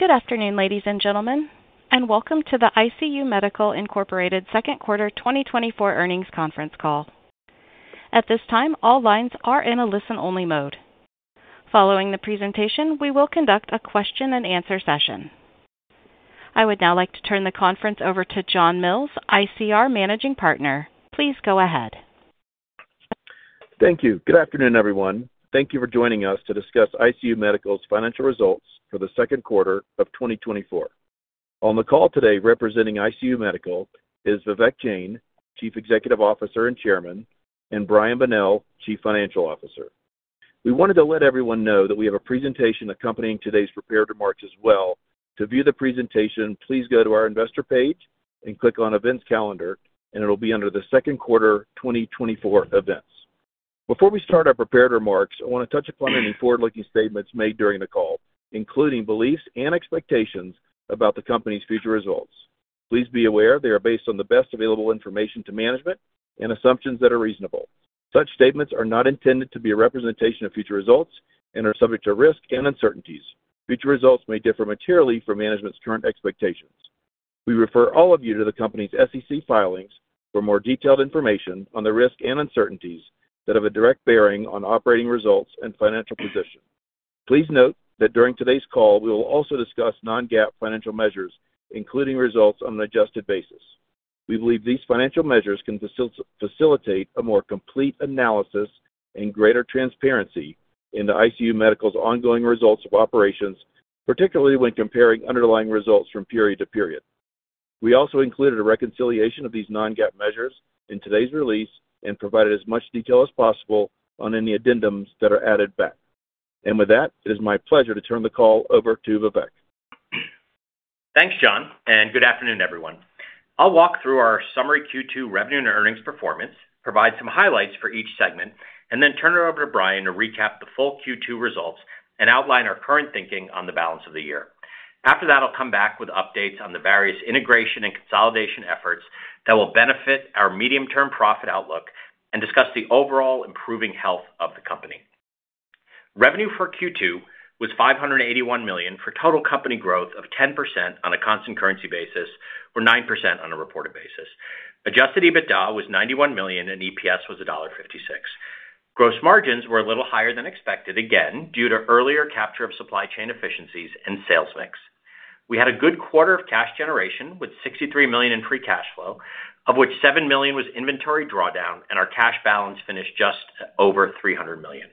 Good afternoon, ladies and gentlemen, and welcome to the ICU Medical Incorporated second quarter 2024 earnings conference call. At this time, all lines are in a listen-only mode. Following the presentation, we will conduct a question-and-answer session. I would now like to turn the conference over to John Mills, ICR Managing Partner. Please go ahead. Thank you. Good afternoon, everyone. Thank you for joining us to discuss ICU Medical's financial results for the second quarter of 2024. On the call today representing ICU Medical is Vivek Jain, Chief Executive Officer and Chairman, and Brian Bonnell, Chief Financial Officer. We wanted to let everyone know that we have a presentation accompanying today's prepared remarks as well. To view the presentation, please go to our investor page and click on events calendar, and it'll be under the second quarter 2024 events. Before we start our prepared remarks, I want to touch upon any forward-looking statements made during the call, including beliefs and expectations about the company's future results. Please be aware they are based on the best available information to management and assumptions that are reasonable. Such statements are not intended to be a representation of future results and are subject to risk and uncertainties. Future results may differ materially from management's current expectations. We refer all of you to the company's SEC filings for more detailed information on the risks and uncertainties that have a direct bearing on operating results and financial position. Please note that during today's call, we will also discuss non-GAAP financial measures, including results on an adjusted basis. We believe these financial measures can facilitate a more complete analysis and greater transparency in the ICU Medical's ongoing results of operations, particularly when comparing underlying results from period to period. We also included a reconciliation of these non-GAAP measures in today's release and provided as much detail as possible on any addendums that are added back. With that, it is my pleasure to turn the call over to Vivek. Thanks, John, and good afternoon, everyone. I'll walk through our summary Q2 revenue and earnings performance, provide some highlights for each segment, and then turn it over to Brian to recap the full Q2 results and outline our current thinking on the balance of the year. After that, I'll come back with updates on the various integration and consolidation efforts that will benefit our medium-term profit outlook and discuss the overall improving health of the company. Revenue for Q2 was $581 million for total company growth of 10% on a constant currency basis or 9% on a reported basis. Adjusted EBITDA was $91 million, and EPS was $1.56. Gross margins were a little higher than expected, again, due to earlier capture of supply chain efficiencies and sales mix. We had a good quarter of cash generation with $63 million in free cash flow, of which $7 million was inventory drawdown, and our cash balance finished just over $300 million.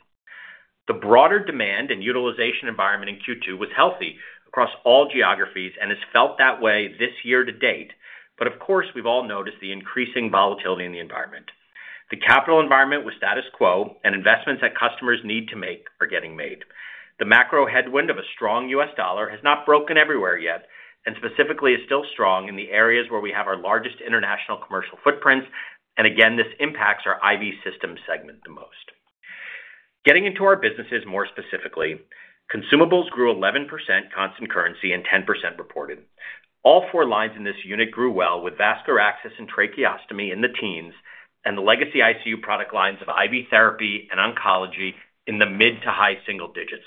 The broader demand and utilization environment in Q2 was healthy across all geographies and has felt that way this year to date, but of course, we've all noticed the increasing volatility in the environment. The capital environment was status quo, and investments that customers need to make are getting made. The macro headwind of a strong US dollar has not broken everywhere yet and specifically is still strong in the areas where we have our largest international commercial footprints, and again, this impacts our IV system segment the most. Getting into our businesses more specifically, consumables grew 11% constant currency and 10% reported. All four lines in this unit grew well with vascular access and tracheostomy in the teens and the legacy ICU product lines of IV therapy and oncology in the mid- to high-single digits.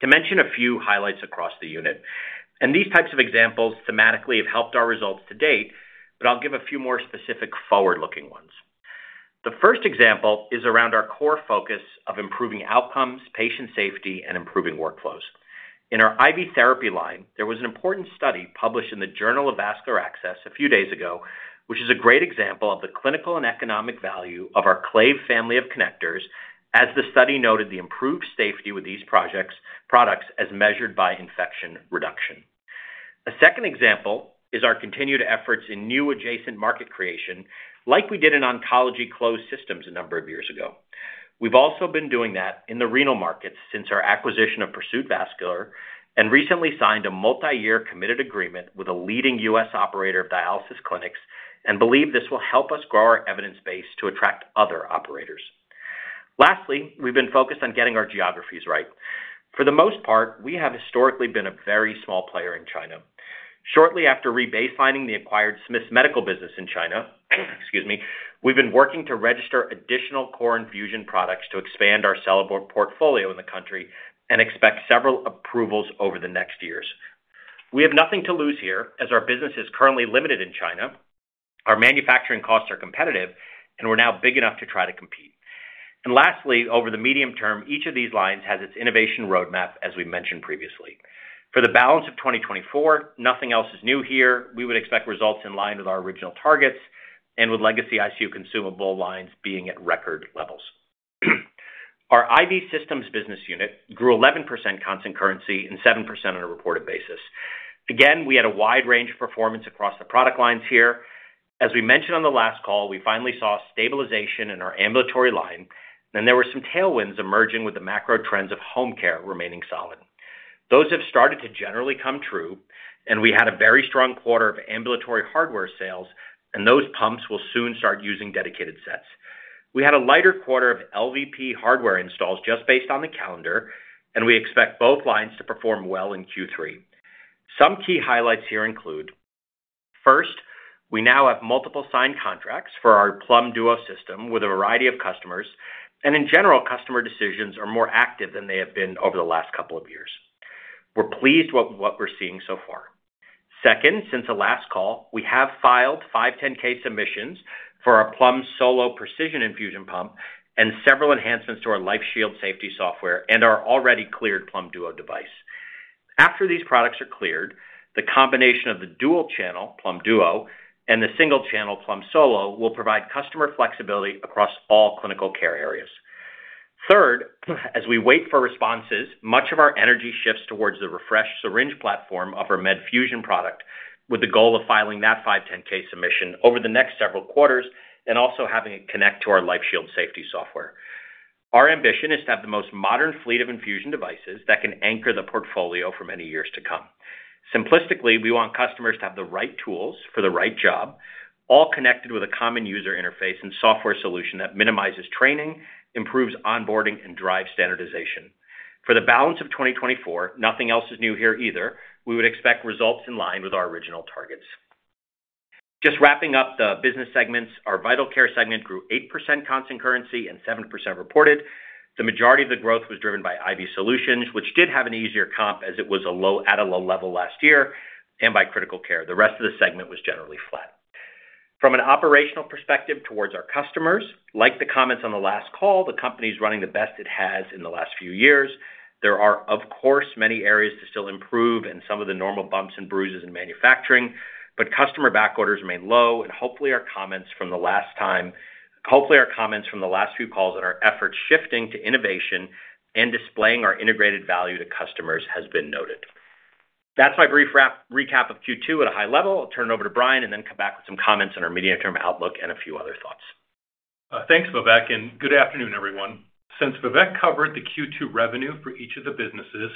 To mention a few highlights across the unit, and these types of examples thematically have helped our results to date, but I'll give a few more specific forward-looking ones. The first example is around our core focus of improving outcomes, patient safety, and improving workflows. In our IV therapy line, there was an important study published in the Journal of Vascular Access a few days ago, which is a great example of the clinical and economic value of our Clave family of connectors, as the study noted the improved safety with these products as measured by infection reduction. A second example is our continued efforts in new adjacent market creation, like we did in oncology closed systems a number of years ago. We've also been doing that in the renal markets since our acquisition of Pursuit Vascular and recently signed a multi-year committed agreement with a leading U.S. operator of dialysis clinics, and believe this will help us grow our evidence base to attract other operators. Lastly, we've been focused on getting our geographies right. For the most part, we have historically been a very small player in China. Shortly after rebaselining the acquired Smiths Medical business in China, excuse me, we've been working to register additional core infusion products to expand our cellular portfolio in the country and expect several approvals over the next years. We have nothing to lose here as our business is currently limited in China, our manufacturing costs are competitive, and we're now big enough to try to compete. Lastly, over the medium term, each of these lines has its innovation roadmap, as we mentioned previously. For the balance of 2024, nothing else is new here. We would expect results in line with our original targets and with legacy ICU consumable lines being at record levels. Our IV systems business unit grew 11% constant currency and 7% on a reported basis. Again, we had a wide range of performance across the product lines here. As we mentioned on the last call, we finally saw stabilization in our ambulatory line, and there were some tailwinds emerging with the macro trends of home care remaining solid. Those have started to generally come true, and we had a very strong quarter of ambulatory hardware sales, and those pumps will soon start using dedicated sets. We had a lighter quarter of LVP hardware installs just based on the calendar, and we expect both lines to perform well in Q3. Some key highlights here include: first, we now have multiple signed contracts for our Plum Duo system with a variety of customers, and in general, customer decisions are more active than they have been over the last couple of years. We're pleased with what we're seeing so far. Second, since the last call, we have filed 510(k) submissions for our Plum Solo precision infusion pump and several enhancements to our LifeShield safety software and our already cleared Plum Duo device. After these products are cleared, the combination of the dual channel Plum Duo and the single channel Plum Solo will provide customer flexibility across all clinical care areas. Third, as we wait for responses, much of our energy shifts towards the refreshed syringe platform of our Medfusion product with the goal of filing that 510(k) submission over the next several quarters and also having it connect to our LifeShield safety software. Our ambition is to have the most modern fleet of infusion devices that can anchor the portfolio for many years to come. Simplistically, we want customers to have the right tools for the right job, all connected with a common user interface and software solution that minimizes training, improves onboarding, and drives standardization. For the balance of 2024, nothing else is new here either. We would expect results in line with our original targets. Just wrapping up the business segments, our vital care segment grew 8% constant currency and 7% reported. The majority of the growth was driven by IV solutions, which did have an easier comp as it was a low Adela level last year, and by critical care. The rest of the segment was generally flat. From an operational perspective towards our customers, like the comments on the last call, the company is running the best it has in the last few years. There are, of course, many areas to still improve and some of the normal bumps and bruises in manufacturing, but customer back orders remain low, and hopefully our comments from the last time, hopefully our comments from the last few calls on our efforts shifting to innovation and displaying our integrated value to customers has been noted. That's my brief recap of Q2 at a high level. I'll turn it over to Brian and then come back with some comments on our medium-term outlook and a few other thoughts. Thanks, Vivek, and good afternoon, everyone. Since Vivek covered the Q2 revenue for each of the businesses,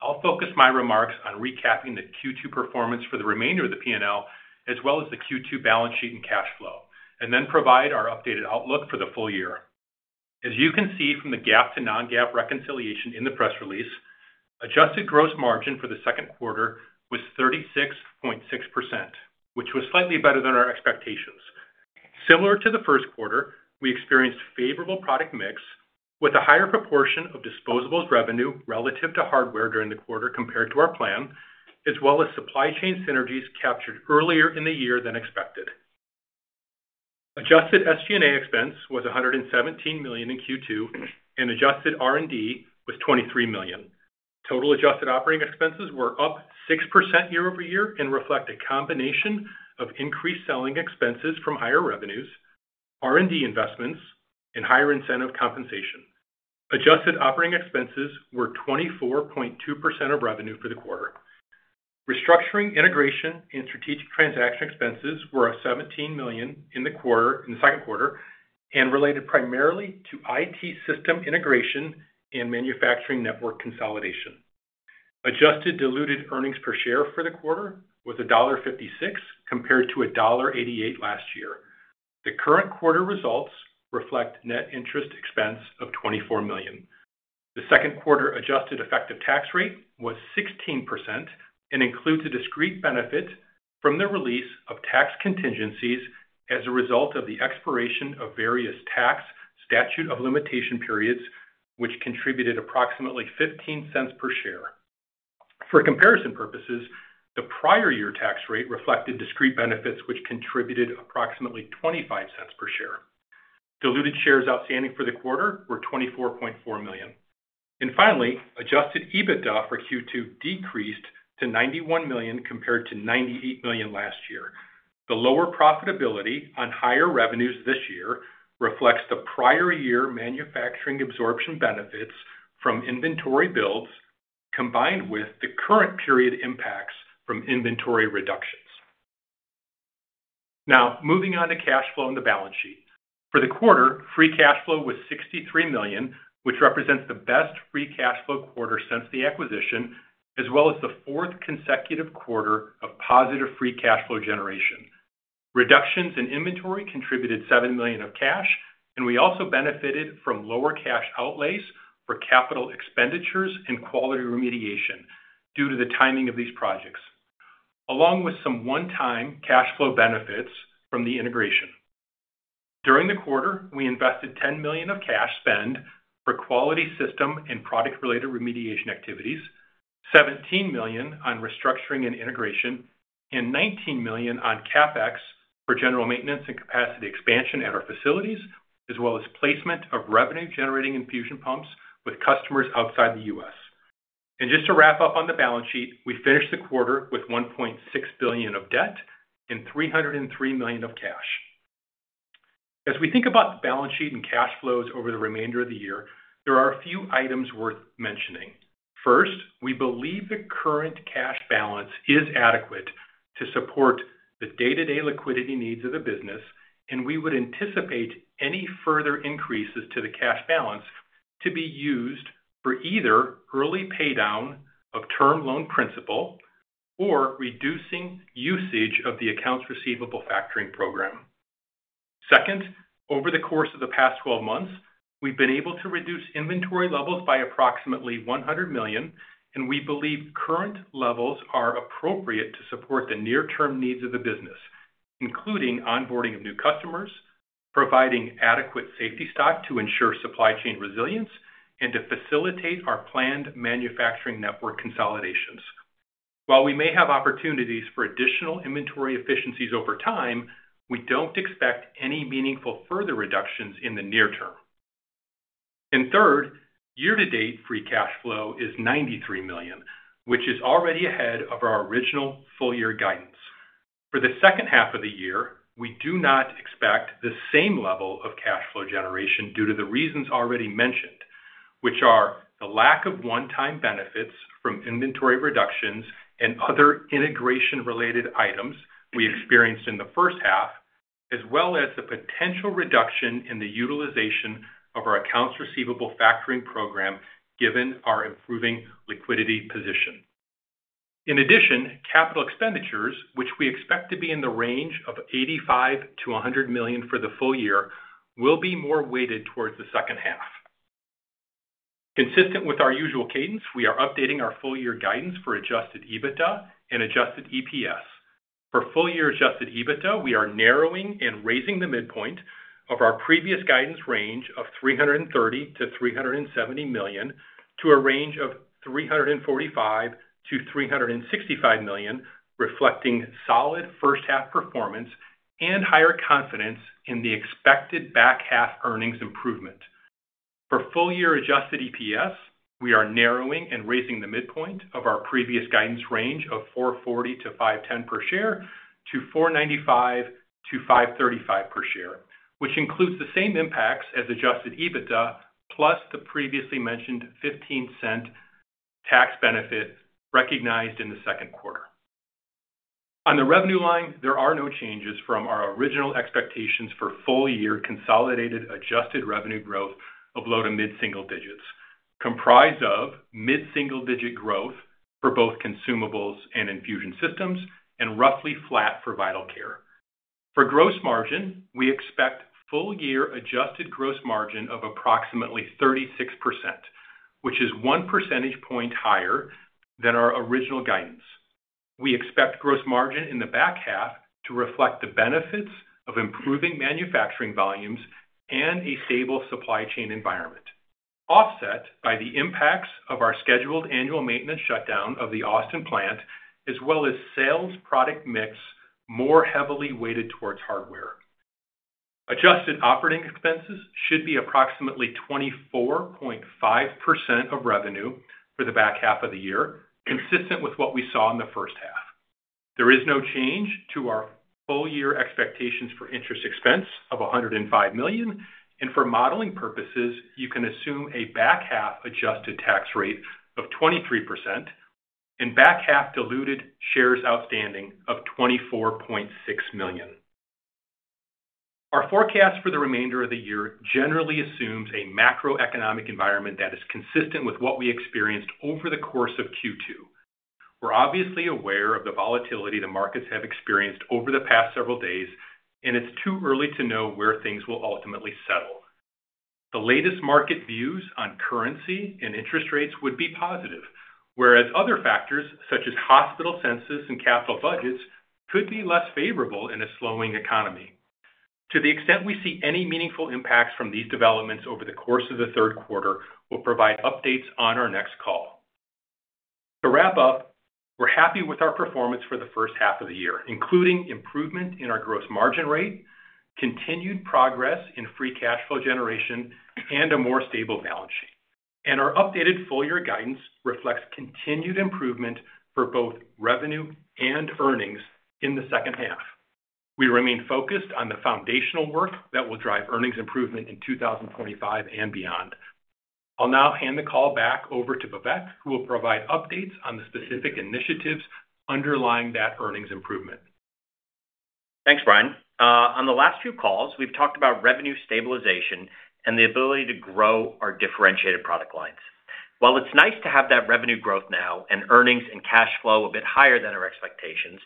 I'll focus my remarks on recapping the Q2 performance for the remainder of the P&L as well as the Q2 balance sheet and cash flow, and then provide our updated outlook for the full year. As you can see from the GAAP to non-GAAP reconciliation in the press release, adjusted gross margin for the second quarter was 36.6%, which was slightly better than our expectations. Similar to the first quarter, we experienced favorable product mix with a higher proportion of disposables revenue relative to hardware during the quarter compared to our plan, as well as supply chain synergies captured earlier in the year than expected. Adjusted SG&A expense was $117 million in Q2, and adjusted R&D was $23 million. Total adjusted operating expenses were up 6% year-over-year and reflect a combination of increased selling expenses from higher revenues, R&D investments, and higher incentive compensation. Adjusted operating expenses were 24.2% of revenue for the quarter. Restructuring, integration, and strategic transaction expenses were $17 million in the second quarter and related primarily to IT system integration and manufacturing network consolidation. Adjusted diluted earnings per share for the quarter was $1.56 compared to $1.88 last year. The current quarter results reflect net interest expense of $24 million. The second quarter adjusted effective tax rate was 16% and includes a discrete benefit from the release of tax contingencies as a result of the expiration of various tax statute of limitation periods, which contributed approximately $0.15 per share. For comparison purposes, the prior year tax rate reflected discrete benefits, which contributed approximately $0.25 per share. Diluted shares outstanding for the quarter were $24.4 million. And finally, Adjusted EBITDA for Q2 decreased to $91 million compared to $98 million last year. The lower profitability on higher revenues this year reflects the prior year manufacturing absorption benefits from inventory builds combined with the current period impacts from inventory reductions. Now, moving on to cash flow on the balance sheet. For the quarter, Free Cash Flow was $63 million, which represents the best Free Cash Flow quarter since the acquisition, as well as the fourth consecutive quarter of positive Free Cash Flow generation. Reductions in inventory contributed $7 million of cash, and we also benefited from lower cash outlays for capital expenditures and quality remediation due to the timing of these projects, along with some one-time cash flow benefits from the integration. During the quarter, we invested $10 million of cash spend for quality system and product-related remediation activities, $17 million on restructuring and integration, and $19 million on CapEx for general maintenance and capacity expansion at our facilities, as well as placement of revenue-generating infusion pumps with customers outside the U.S. Just to wrap up on the balance sheet, we finished the quarter with $1.6 billion of debt and $303 million of cash. As we think about the balance sheet and cash flows over the remainder of the year, there are a few items worth mentioning. First, we believe the current cash balance is adequate to support the day-to-day liquidity needs of the business, and we would anticipate any further increases to the cash balance to be used for either early paydown of term loan principal or reducing usage of the accounts receivable factoring program. Second, over the course of the past 12 months, we've been able to reduce inventory levels by approximately $100 million, and we believe current levels are appropriate to support the near-term needs of the business, including onboarding of new customers, providing adequate safety stock to ensure supply chain resilience, and to facilitate our planned manufacturing network consolidations. While we may have opportunities for additional inventory efficiencies over time, we don't expect any meaningful further reductions in the near term. And third, year-to-date free cash flow is $93 million, which is already ahead of our original full-year guidance. For the second half of the year, we do not expect the same level of cash flow generation due to the reasons already mentioned, which are the lack of one-time benefits from inventory reductions and other integration-related items we experienced in the first half, as well as the potential reduction in the utilization of our accounts receivable factoring program given our improving liquidity position. In addition, capital expenditures, which we expect to be in the range of $85-$100 million for the full year, will be more weighted towards the second half. Consistent with our usual cadence, we are updating our full-year guidance for Adjusted EBITDA and Adjusted EPS. For full-year adjusted EBITDA, we are narrowing and raising the midpoint of our previous guidance range of $330-$370 million to a range of $345-$365 million, reflecting solid first-half performance and higher confidence in the expected back-half earnings improvement. For full-year adjusted EPS, we are narrowing and raising the midpoint of our previous guidance range of $440-$510 per share to $495-$535 per share, which includes the same impacts as adjusted EBITDA plus the previously mentioned $0.15 tax benefit recognized in the second quarter. On the revenue line, there are no changes from our original expectations for full-year consolidated adjusted revenue growth of low to mid-single digits, comprised of mid-single digit growth for both consumables and infusion systems, and roughly flat for vital care. For gross margin, we expect full-year adjusted gross margin of approximately 36%, which is one percentage point higher than our original guidance. We expect gross margin in the back-half to reflect the benefits of improving manufacturing volumes and a stable supply chain environment, offset by the impacts of our scheduled annual maintenance shutdown of the Austin plant, as well as sales product mix more heavily weighted towards hardware. Adjusted operating expenses should be approximately 24.5% of revenue for the back-half of the year, consistent with what we saw in the first half. There is no change to our full-year expectations for interest expense of $105 million, and for modeling purposes, you can assume a back-half adjusted tax rate of 23% and back-half diluted shares outstanding of $24.6 million. Our forecast for the remainder of the year generally assumes a macroeconomic environment that is consistent with what we experienced over the course of Q2. We're obviously aware of the volatility the markets have experienced over the past several days, and it's too early to know where things will ultimately settle. The latest market views on currency and interest rates would be positive, whereas other factors such as hospital census and capital budgets could be less favorable in a slowing economy. To the extent we see any meaningful impacts from these developments over the course of the third quarter, we'll provide updates on our next call. To wrap up, we're happy with our performance for the first half of the year, including improvement in our gross margin rate, continued progress in free cash flow generation, and a more stable balance sheet. Our updated full-year guidance reflects continued improvement for both revenue and earnings in the second half. We remain focused on the foundational work that will drive earnings improvement in 2025 and beyond. I'll now hand the call back over to Vivek, who will provide updates on the specific initiatives underlying that earnings improvement. Thanks, Brian. On the last few calls, we've talked about revenue stabilization and the ability to grow our differentiated product lines. While it's nice to have that revenue growth now and earnings and cash flow a bit higher than our expectations,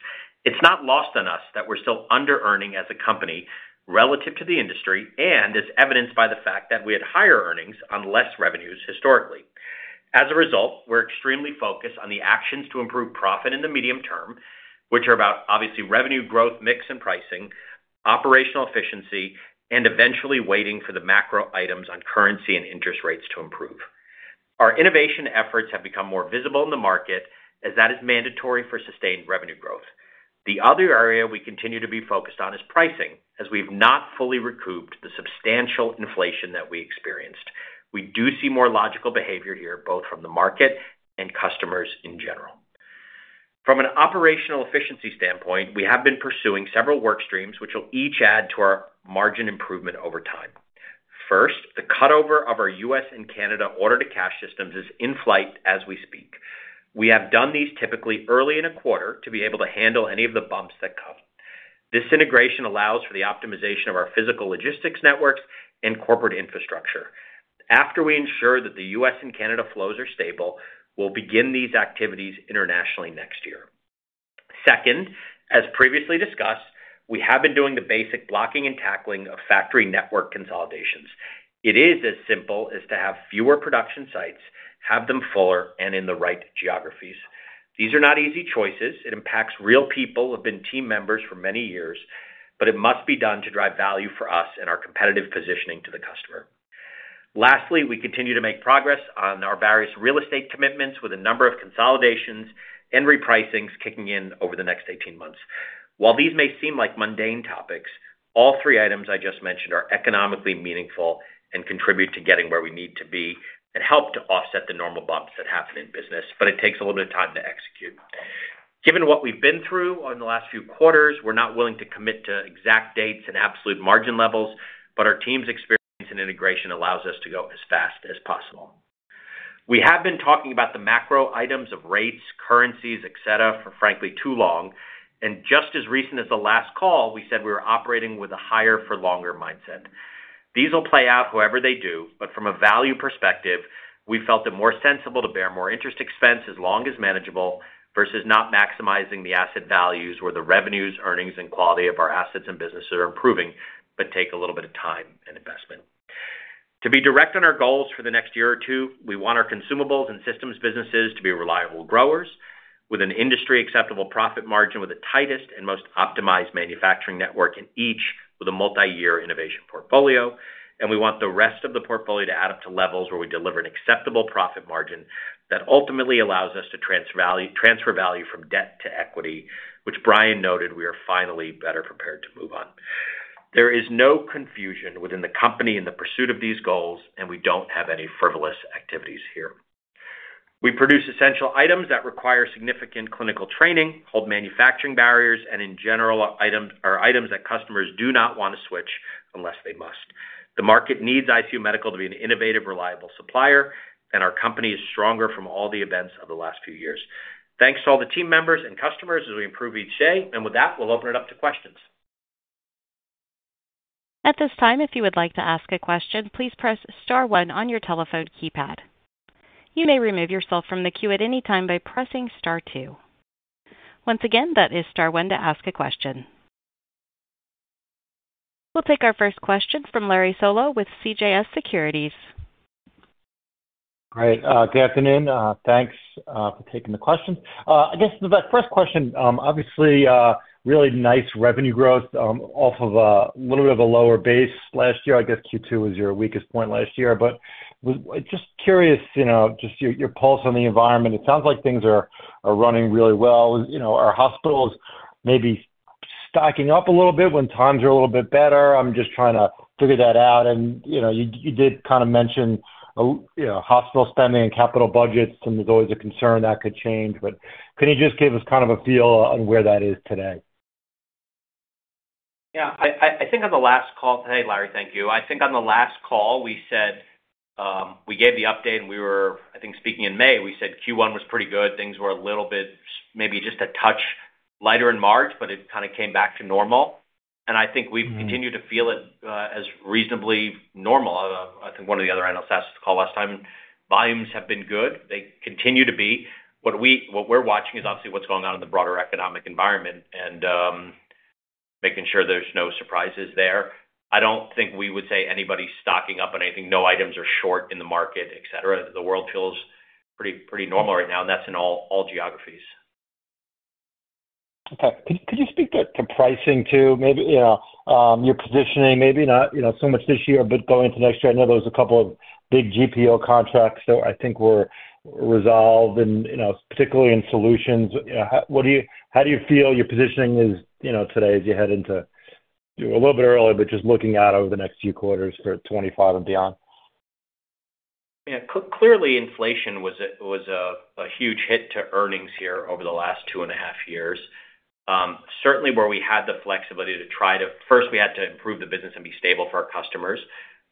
it's not lost on us that we're still under-earning as a company relative to the industry, and it's evidenced by the fact that we had higher earnings on less revenues historically. As a result, we're extremely focused on the actions to improve profit in the medium term, which are about, obviously, revenue growth mix and pricing, operational efficiency, and eventually waiting for the macro items on currency and interest rates to improve. Our innovation efforts have become more visible in the market as that is mandatory for sustained revenue growth. The other area we continue to be focused on is pricing, as we've not fully recouped the substantial inflation that we experienced. We do see more logical behavior here, both from the market and customers in general. From an operational efficiency standpoint, we have been pursuing several work streams, which will each add to our margin improvement over time. First, the cutover of our U.S. and Canada order-to-cash systems is in flight as we speak. We have done these typically early in a quarter to be able to handle any of the bumps that come. This integration allows for the optimization of our physical logistics networks and corporate infrastructure. After we ensure that the U.S. and Canada flows are stable, we'll begin these activities internationally next year. Second, as previously discussed, we have been doing the basic blocking and tackling of factory network consolidations. It is as simple as to have fewer production sites, have them fuller, and in the right geographies. These are not easy choices. It impacts real people who have been team members for many years, but it must be done to drive value for us and our competitive positioning to the customer. Lastly, we continue to make progress on our various real estate commitments with a number of consolidations and repricings kicking in over the next 18 months. While these may seem like mundane topics, all three items I just mentioned are economically meaningful and contribute to getting where we need to be and help to offset the normal bumps that happen in business, but it takes a little bit of time to execute. Given what we've been through in the last few quarters, we're not willing to commit to exact dates and absolute margin levels, but our team's experience in integration allows us to go as fast as possible. We have been talking about the macro items of rates, currencies, etc., for frankly too long, and just as recent as the last call, we said we were operating with a higher-for-longer mindset. These will play out however they do, but from a value perspective, we felt it more sensible to bear more interest expense as long as manageable versus not maximizing the asset values where the revenues, earnings, and quality of our assets and businesses are improving, but take a little bit of time and investment. To be direct on our goals for the next year or two, we want our consumables and systems businesses to be reliable growers with an industry-acceptable profit margin with the tightest and most optimized manufacturing network in each with a multi-year innovation portfolio, and we want the rest of the portfolio to add up to levels where we deliver an acceptable profit margin that ultimately allows us to transfer value from debt to equity, which Brian noted we are finally better prepared to move on. There is no confusion within the company in the pursuit of these goals, and we don't have any frivolous activities here. We produce essential items that require significant clinical training, hold manufacturing barriers, and in general, are items that customers do not want to switch unless they must. The market needs ICU Medical to be an innovative, reliable supplier, and our company is stronger from all the events of the last few years. Thanks to all the team members and customers as we improve each day, and with that, we'll open it up to questions. At this time, if you would like to ask a question, please press Star 1 on your telephone keypad. You may remove yourself from the queue at any time by pressing Star 2. Once again, that is Star 1 to ask a question. We'll take our first question from Larry Solow with CJS Securities. All right. Good afternoon. Thanks for taking the question. I guess the first question, obviously, really nice revenue growth off of a little bit of a lower base last year. I guess Q2 was your weakest point last year, but just curious, just your pulse on the environment. It sounds like things are running really well. Are hospitals maybe stocking up a little bit when times are a little bit better? I'm just trying to figure that out. And you did kind of mention hospital spending and capital budgets, and there's always a concern that could change. But can you just give us kind of a feel on where that is today? Yeah. I think on the last call today, Larry, thank you. I think on the last call, we said we gave the update, and we were, I think, speaking in May, we said Q1 was pretty good. Things were a little bit, maybe just a touch lighter in March, but it kind of came back to normal. And I think we've continued to feel it as reasonably normal. I think one of the other analysts asked us to call last time. Volumes have been good. They continue to be. What we're watching is obviously what's going on in the broader economic environment and making sure there's no surprises there. I don't think we would say anybody's stocking up on anything. No items are short in the market, etc. The world feels pretty normal right now, and that's in all geographies. Okay. Could you speak to pricing too? Maybe your positioning, maybe not so much this year, but going into next year. I know there was a couple of big GPO contracts that I think were resolved, particularly in solutions. How do you feel your positioning is today as you head into a little bit early, but just looking out over the next few quarters for 2025 and beyond? Yeah. Clearly, inflation was a huge hit to earnings here over the last two and a half years. Certainly, where we had the flexibility to try to first, we had to improve the business and be stable for our customers.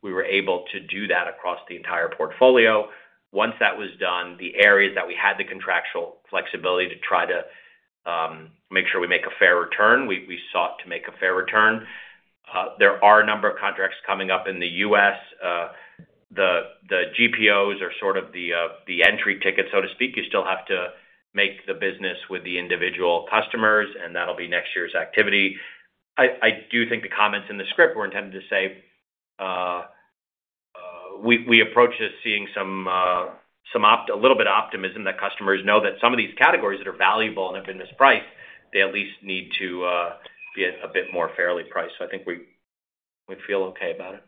We were able to do that across the entire portfolio. Once that was done, the areas that we had the contractual flexibility to try to make sure we make a fair return, we sought to make a fair return. There are a number of contracts coming up in the U.S. The GPOs are sort of the entry ticket, so to speak. You still have to make the business with the individual customers, and that'll be next year's activity. I do think the comments in the script were intended to say we approach this seeing a little bit of optimism that customers know that some of these categories that are valuable and have been mispriced, they at least need to be a bit more fairly priced. So I think we feel okay about it.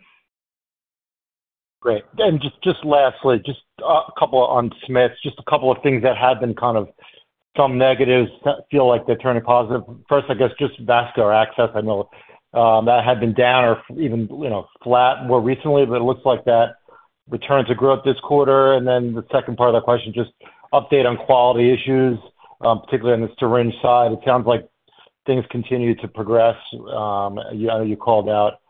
Great. Just lastly, just a couple on Smiths, just a couple of things that have been kind of some negatives that feel like they're turning positive. First, I guess just vascular access. I know that had been down or even flat more recently, but it looks like that returns to growth this quarter. And then the second part of the question, just update on quality issues, particularly on the syringe side. It sounds like things continue to progress. I know you called out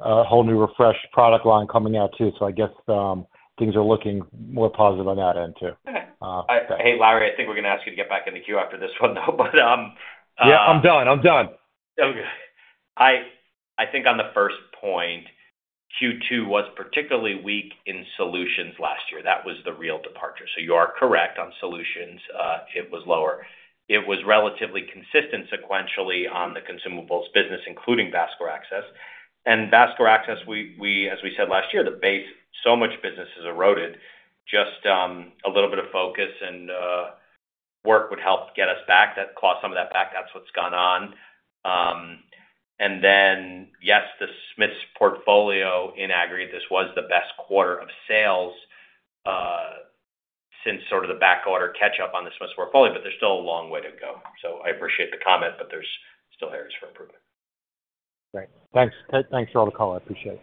a whole new refreshed product line coming out too, so I guess things are looking more positive on that end too. Hey, Larry, I think we're going to ask you to get back in the queue after this one, though, but. Yeah, I'm done. I'm done. Okay. I think on the first point, Q2 was particularly weak in solutions last year. That was the real departure. So you are correct on solutions. It was lower. It was relatively consistent sequentially on the consumables business, including vascular access. And vascular access, as we said last year, the base, so much business has eroded. Just a little bit of focus and work would help get us back. That cost some of that back. That's what's gone on. And then, yes, the Smiths portfolio in aggregate, this was the best quarter of sales since sort of the back-order catch-up on the Smiths portfolio, but there's still a long way to go. So I appreciate the comment, but there's still areas for improvement. Great. Thanks. Thanks for all the call. I appreciate it.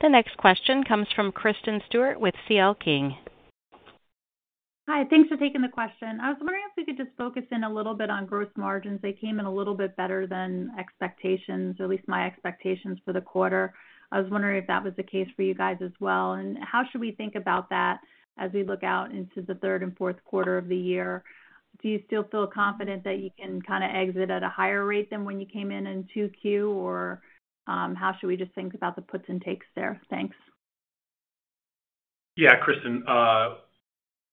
The next question comes from Kristen Stewart with CL King. Hi. Thanks for taking the question. I was wondering if we could just focus in a little bit on gross margins. They came in a little bit better than expectations, or at least my expectations for the quarter. I was wondering if that was the case for you guys as well. And how should we think about that as we look out into the third and fourth quarter of the year? Do you still feel confident that you can kind of exit at a higher rate than when you came in in Q2, or how should we just think about the puts and takes there? Thanks. Yeah, Kristen,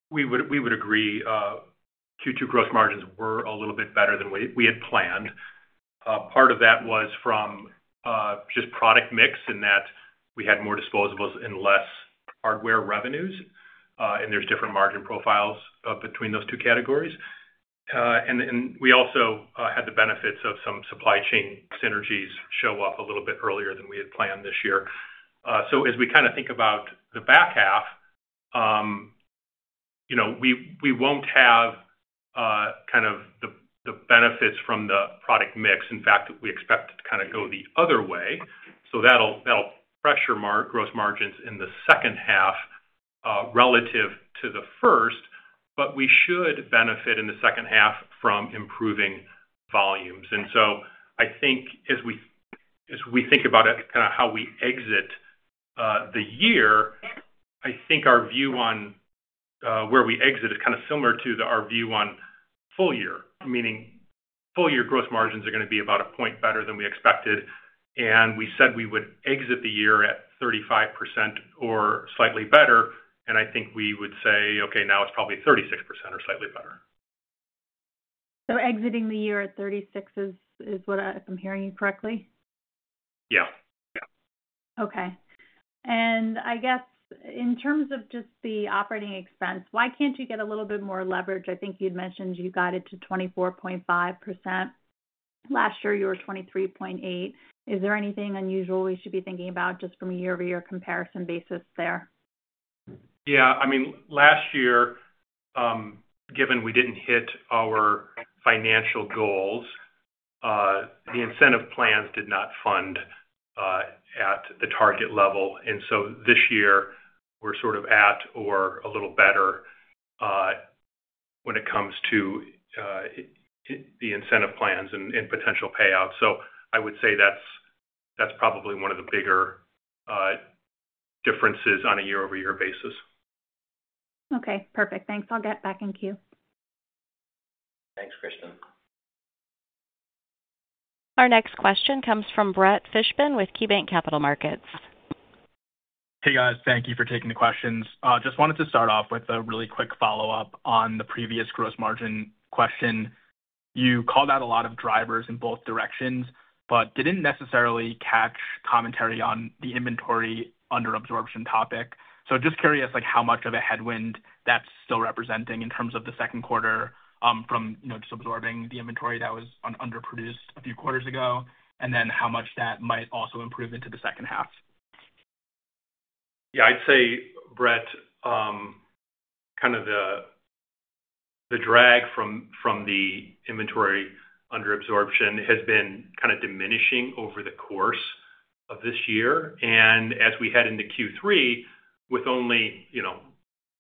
we would agree. Q2 gross margins were a little bit better than we had planned. Part of that was from just product mix in that we had more disposables and less hardware revenues, and there's different margin profiles between those two categories. We also had the benefits of some supply chain synergies show up a little bit earlier than we had planned this year. As we kind of think about the back half, we won't have kind of the benefits from the product mix. In fact, we expect to kind of go the other way. That'll pressure gross margins in the second half relative to the first, but we should benefit in the second half from improving volumes. And so I think as we think about kind of how we exit the year, I think our view on where we exit is kind of similar to our view on full year, meaning full year gross margins are going to be about a point better than we expected. And we said we would exit the year at 35% or slightly better, and I think we would say, "Okay, now it's probably 36% or slightly better. Exiting the year at 36 is what I'm hearing you correctly? Yeah. Yeah. Okay. I guess in terms of just the operating expense, why can't you get a little bit more leverage? I think you'd mentioned you got it to 24.5%. Last year, you were 23.8%. Is there anything unusual we should be thinking about just from a year-over-year comparison basis there? Yeah. I mean, last year, given we didn't hit our financial goals, the incentive plans did not fund at the target level. And so this year, we're sort of at or a little better when it comes to the incentive plans and potential payouts. So I would say that's probably one of the bigger differences on a year-over-year basis. Okay. Perfect. Thanks. I'll get back in queue. Thanks, Kristen. Our next question comes from Brett Fishman with KeyBanc Capital Markets. Hey, guys. Thank you for taking the questions. Just wanted to start off with a really quick follow-up on the previous gross margin question. You called out a lot of drivers in both directions, but didn't necessarily catch commentary on the inventory under absorption topic. So just curious how much of a headwind that's still representing in terms of the second quarter from just absorbing the inventory that was underproduced a few quarters ago, and then how much that might also improve into the second half. Yeah. I'd say, Brett, kind of the drag from the inventory under absorption has been kind of diminishing over the course of this year. As we head into Q3,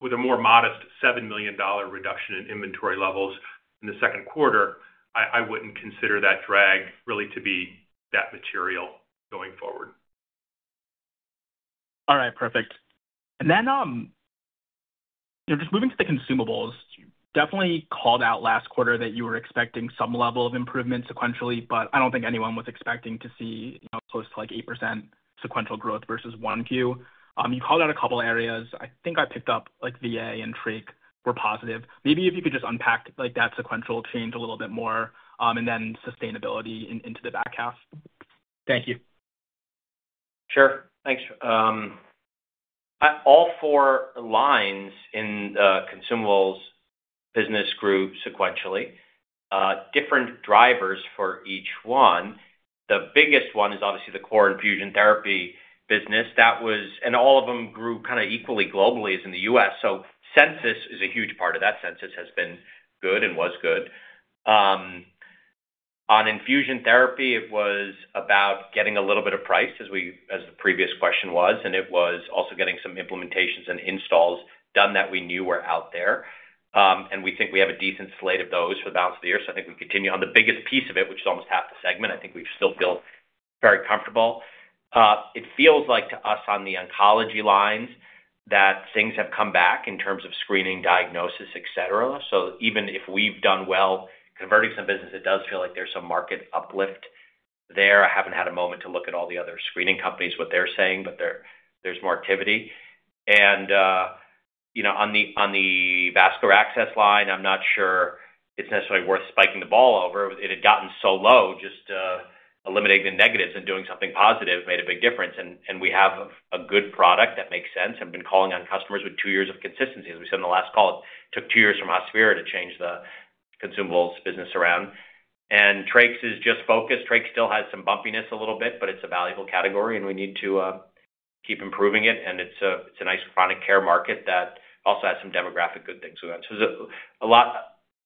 with a more modest $7 million reduction in inventory levels in the second quarter, I wouldn't consider that drag really to be that material going forward. All right. Perfect. And then just moving to the consumables, definitely called out last quarter that you were expecting some level of improvement sequentially, but I don't think anyone was expecting to see close to 8% sequential growth versus Q1. You called out a couple of areas. I think I picked up VA and Trach were positive. Maybe if you could just unpack that sequential change a little bit more and then sustainability into the back half. Thank you. Sure. Thanks. All four lines in the consumables business grew sequentially. Different drivers for each one. The biggest one is obviously the core infusion therapy business. All of them grew kind of equally globally as in the US. So census is a huge part of that. Census has been good and was good. On infusion therapy, it was about getting a little bit of price, as the previous question was, and it was also getting some implementations and installs done that we knew were out there. We think we have a decent slate of those for the balance of the year. So I think we continue on the biggest piece of it, which is almost half the segment. I think we've still feel very comfortable. It feels like to us on the oncology lines that things have come back in terms of screening, diagnosis, etc. So even if we've done well converting some business, it does feel like there's some market uplift there. I haven't had a moment to look at all the other screening companies, what they're saying, but there's more activity. And on the vascular access line, I'm not sure it's necessarily worth spiking the ball over. It had gotten so low. Just eliminating the negatives and doing something positive made a big difference. And we have a good product that makes sense. I've been calling on customers with two years of consistency. As we said in the last call, it took two years from Hospira to change the consumables business around. And Trach is just focused. Trach still has some bumpiness a little bit, but it's a valuable category, and we need to keep improving it. And it's a nice chronic care market that also has some demographic good things going on.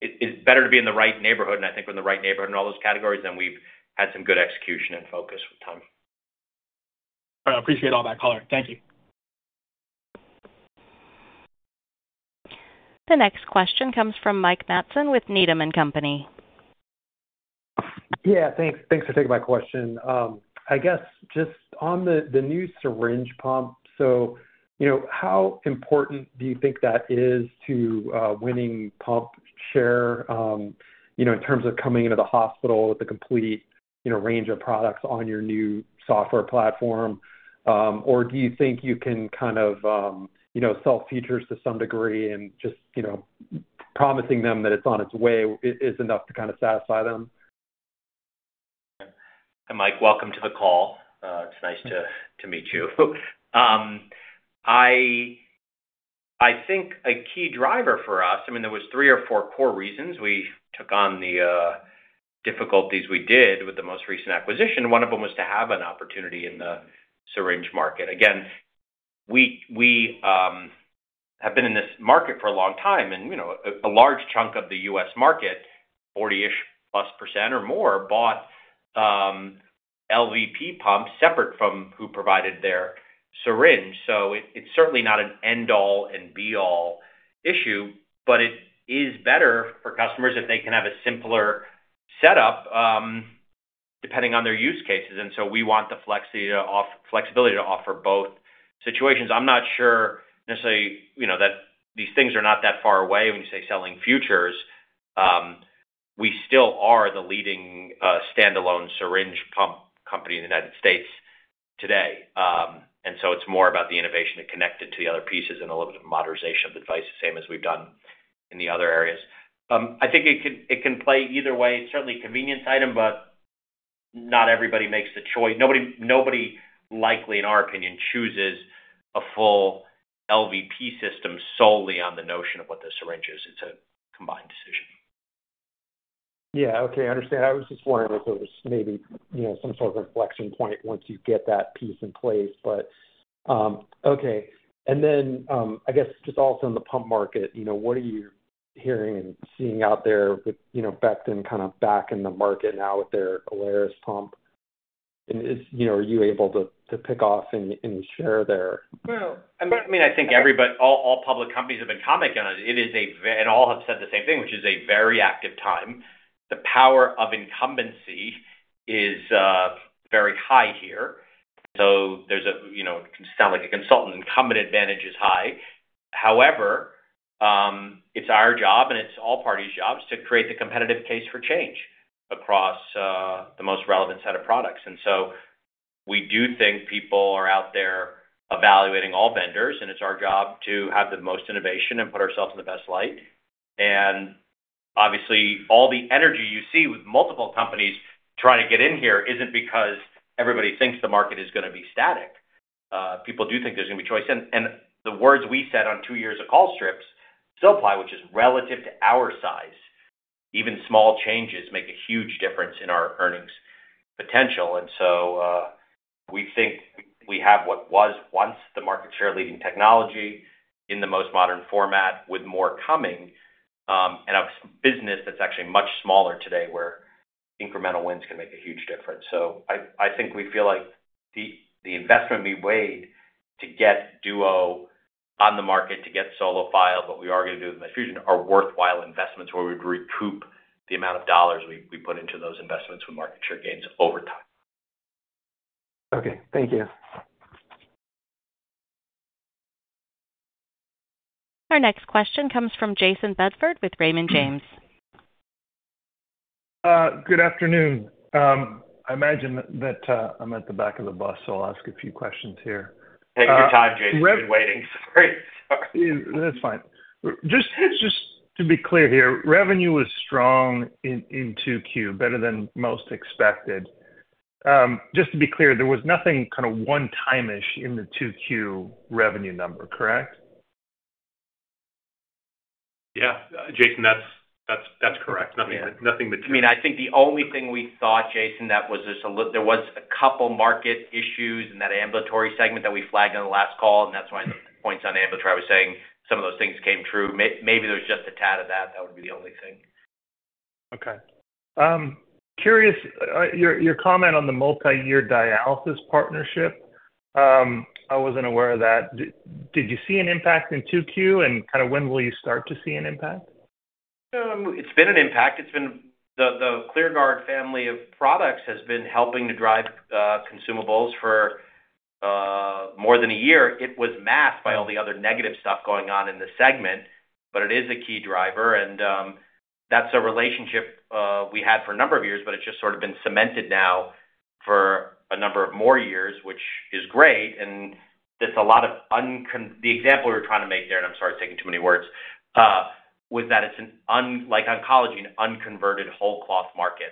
It's better to be in the right neighborhood, and I think we're in the right neighborhood in all those categories than we've had some good execution and focus with time. All right. I appreciate all that color. Thank you. The next question comes from Mike Matson with Needham & Company. Yeah. Thanks for taking my question. I guess just on the new syringe pump, so how important do you think that is to winning pump share in terms of coming into the hospital with the complete range of products on your new software platform? Or do you think you can kind of sell features to some degree and just promising them that it's on its way is enough to kind of satisfy them? Okay. Hi, Mike. Welcome to the call. It's nice to meet you. I think a key driver for us, I mean, there were three or four core reasons we took on the difficulties we did with the most recent acquisition. One of them was to have an opportunity in the syringe market. Again, we have been in this market for a long time, and a large chunk of the U.S. market, 40%-ish plus % or more, bought LVP pumps separate from who provided their syringe. So it's certainly not an end-all and be-all issue, but it is better for customers if they can have a simpler setup depending on their use cases. And so we want the flexibility to offer both situations. I'm not sure necessarily that these things are not that far away when you say selling futures. We still are the leading standalone syringe pump company in the United States today. And so it's more about the innovation to connect it to the other pieces and a little bit of modernization of the device, the same as we've done in the other areas. I think it can play either way. It's certainly a convenience item, but not everybody makes the choice. Nobody likely, in our opinion, chooses a full LVP system solely on the notion of what the syringe is. It's a combined decision. Yeah. Okay. I understand. I was just wondering if there was maybe some sort of inflection point once you get that piece in place. But okay. And then I guess just also in the pump market, what are you hearing and seeing out there with Becton kind of back in the market now with their Alaris pump? And are you able to pick off and share there? Well, I mean, I think all public companies have been commenting on it. All have said the same thing, which is a very active time. The power of incumbency is very high here. It can sound like a consultant incumbent advantage is high. However, it's our job, and it's all parties' jobs to create the competitive case for change across the most relevant set of products. We do think people are out there evaluating all vendors, and it's our job to have the most innovation and put ourselves in the best light. Obviously, all the energy you see with multiple companies trying to get in here isn't because everybody thinks the market is going to be static. People do think there's going to be choice. The words we said on two years of call strips still apply, which is relative to our size. Even small changes make a huge difference in our earnings potential. And so we think we have what was once the market share-leading technology in the most modern format with more coming and a business that's actually much smaller today where incremental wins can make a huge difference. So I think we feel like the investment we weighed to get Duo on the market, to get Solo, what we are going to do with the Medfusion, are worthwhile investments where we would recoup the amount of dollars we put into those investments with market share gains over time. Okay. Thank you. Our next question comes from Jayson Bedford with Raymond James. Good afternoon. I imagine that I'm at the back of the bus, so I'll ask a few questions here. Take your time, Jason. You've been waiting. Sorry. That's fine. Just to be clear here, revenue was strong in Q2, better than most expected. Just to be clear, there was nothing kind of one-time-ish in the Q2 revenue number, correct? Yeah. Jason, that's correct. Nothing material. I mean, I think the only thing we thought, Jason, that was there was a couple of market issues in that ambulatory segment that we flagged on the last call, and that's why the points on ambulatory I was saying some of those things came true. Maybe there was just a tad of that. That would be the only thing. Okay. Curious, your comment on the multi-year dialysis partnership, I wasn't aware of that. Did you see an impact in Q2, and kind of when will you start to see an impact? It's been an impact. The ClearGuard family of products has been helping to drive consumables for more than a year. It was masked by all the other negative stuff going on in the segment, but it is a key driver. And that's a relationship we had for a number of years, but it's just sort of been cemented now for a number of more years, which is great. And there's a lot of the example we were trying to make there, and I'm sorry for taking too many words, was that it's like oncology, an unconverted whole cloth market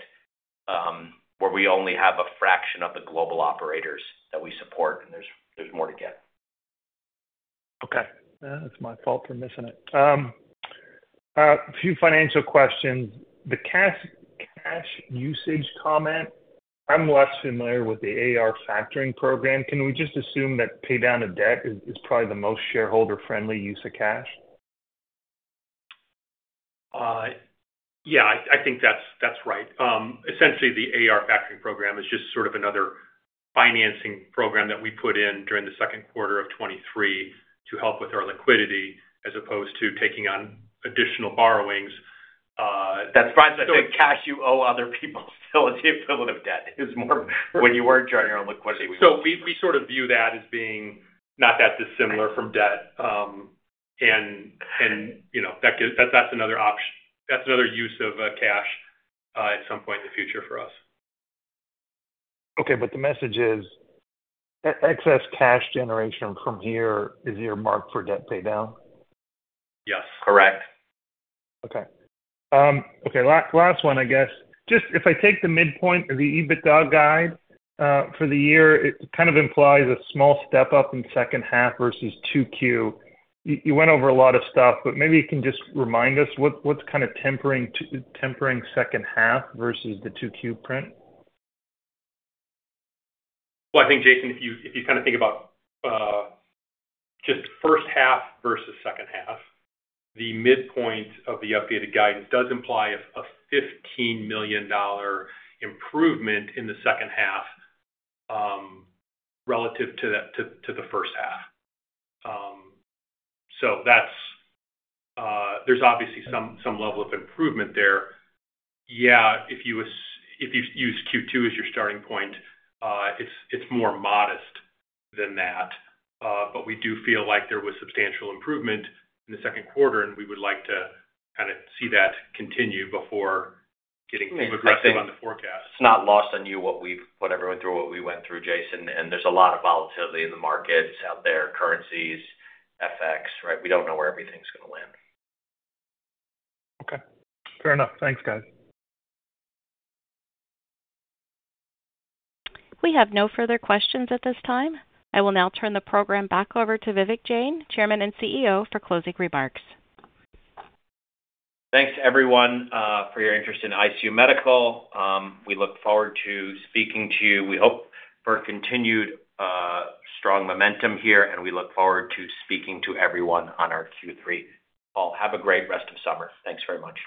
where we only have a fraction of the global operators that we support, and there's more to get. Okay. That's my fault for missing it. A few financial questions. The cash usage comment, I'm less familiar with the AR factoring program. Can we just assume that pay down of debt is probably the most shareholder-friendly use of cash? Yeah. I think that's right. Essentially, the AR factoring program is just sort of another financing program that we put in during the second quarter of 2023 to help with our liquidity as opposed to taking on additional borrowings. That's right. So cash you owe other people still is the equivalent of debt. When you weren't drawing your own liquidity, we were. We sort of view that as being not that dissimilar from debt. That's another use of cash at some point in the future for us. Okay. But the message is excess cash generation from here is your mark for debt pay down? Yes. Correct. Okay. Okay. Last one, I guess. Just if I take the midpoint of the EBITDA guide for the year, it kind of implies a small step up in second half versus Q2. You went over a lot of stuff, but maybe you can just remind us what's kind of tempering second half versus the Q2 print? Well, I think, Jason, if you kind of think about just first half versus second half, the midpoint of the updated guidance does imply a $15 million improvement in the second half relative to the first half. So there's obviously some level of improvement there. Yeah. If you use Q2 as your starting point, it's more modest than that. But we do feel like there was substantial improvement in the second quarter, and we would like to kind of see that continue before getting too aggressive on the forecast. It's not lost on you what we put everyone through, what we went through, Jason. There's a lot of volatility in the market. It's out there. Currencies, FX, right? We don't know where everything's going to land. Okay. Fair enough. Thanks, guys. We have no further questions at this time. I will now turn the program back over to Vivek Jain, Chairman and CEO, for closing remarks. Thanks, everyone, for your interest in ICU Medical. We look forward to speaking to you. We hope for continued strong momentum here, and we look forward to speaking to everyone on our Q3 call. Have a great rest of summer. Thanks very much.